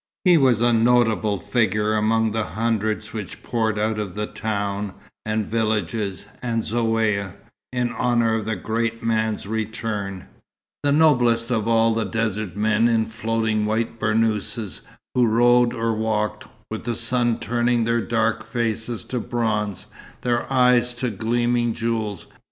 He was a notable figure among the hundreds which poured out of town, and villages, and Zaouïa, in honour of the great man's return; the noblest of all the desert men in floating white burnouses, who rode or walked, with the sun turning their dark faces to bronze, their eyes to gleaming jewels.